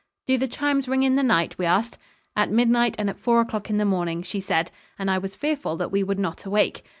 "Do the chimes ring in the night?" we asked. "At midnight and at four o'clock in the morning," she said, and I was fearful that we would not awake.